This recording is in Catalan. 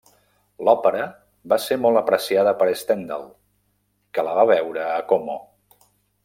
L'òpera va ser molt apreciada per Stendhal, que la va veure a Como.